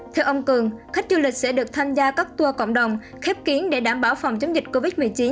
theo ông cường khách du lịch sẽ được tham gia các tour cộng đồng khép kiến để đảm bảo phòng chống dịch covid một mươi chín